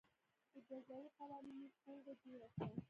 د جزايي قوانینو ټولګه جوړه شوه.